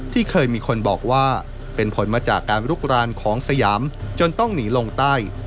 ที่เคยมีคนบอกว่าเป็นผลมาจากการลุกรานของสยามจนต้องหนีลงใต้